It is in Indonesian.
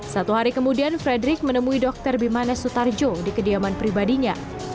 satu hari kemudian frederick menemui dr bimanes sutarjo di kediaman pribadinya